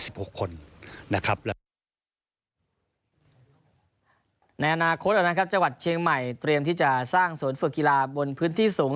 ในอนาคตนะครับจังหวัดเชียงใหม่เตรียมที่จะสร้างศูนย์ฝึกกีฬาบนพื้นที่สูง